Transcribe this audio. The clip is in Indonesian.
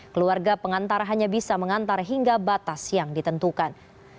keluarga pengantar hanya bisa mengantar hingga batas yang ditentukan